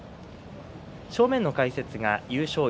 正面の解説が優勝